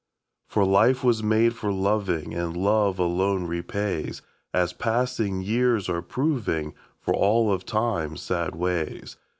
For life was made for loving, and love alone repays, As passing years are proving, for all of Time's sad ways.